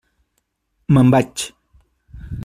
Me'n vaig.